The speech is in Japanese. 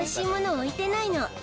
置いてないの。